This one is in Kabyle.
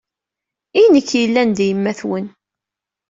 I nekk yellan d yemma-twen.